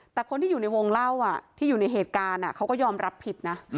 แต่คนที่อยู่ในวงเล่าที่อยู่ในเหตุการณ์เขาก็ยอมรับผิดนะ